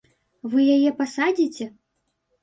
Вы і яе пасадзіце?